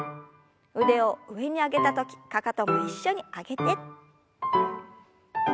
腕を上に上げた時かかとも一緒に上げて。